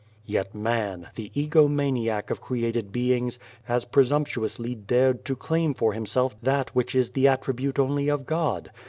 " Yet man, the egomaniac of created beings, has presumptuously dared to claim for himself that which is the attribute only of God.